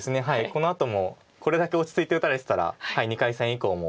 このあともこれだけ落ち着いて打たれてたら２回戦以降も非常に。